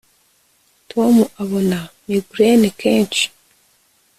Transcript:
tom abona migraine kenshi